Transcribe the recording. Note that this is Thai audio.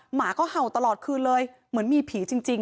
หมาก็เห่าตลอดคืนเลยเหมือนมีผีจริง